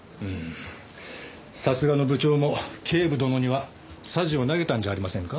さすがの部長も警部殿にはさじを投げたんじゃありませんか？